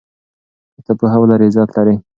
که ته پوهه ولرې عزت لرې.